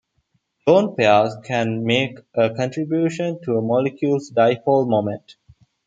Lone pairs can make a contribution to a molecule's dipole moment.